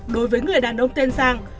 đối với người đàn ông tên giang